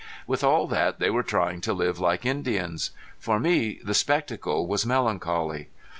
With all that they were trying to live like Indians. For me the spectacle was melancholy.